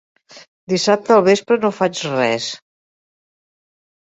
Dissabte al vespre no faig res.